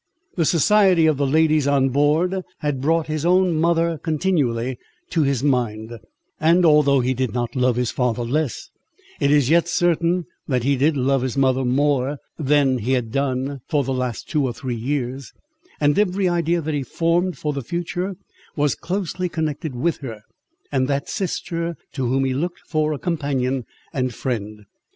The society of the ladies on board had brought his own mother continually to his mind; and although he did not love his father less, it is yet certain that he did love his mother more than he had done for the last two or three years; and every idea that he formed for the future, was closely connected with her, and that sister, to whom he looked for a companion and friend.